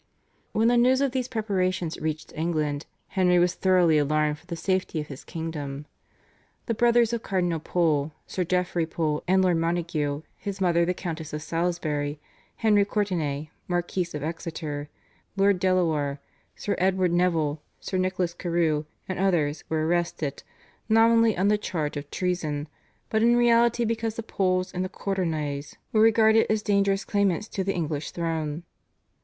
When the news of these preparations reached England Henry was thoroughly alarmed for the safety of his kingdom. The brothers of Cardinal Pole, Sir Geoffrey Pole and Lord Montague, his mother, the Countess of Salisbury, Henry Courtenay, Marquis of Exeter, Lord Delawarr, Sir Edward Neville, Sir Nicholas Carew, and others were arrested, nominally on the charge of treason, but in reality because the Poles and the Courtenays were regarded as dangerous claimants to the English throne.